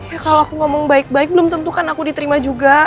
ya kalau aku ngomong baik baik belum tentu kan aku diterima juga